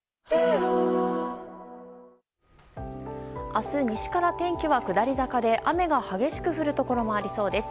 明日、西から天気は下り坂で雨が激しく降るところもありそうです。